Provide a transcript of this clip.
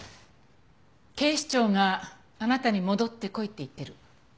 警視庁があなたに戻ってこいって言ってる。